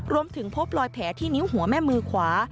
รวมถึงพบลอยแผลที่นิ้วหัวแม่มือขวา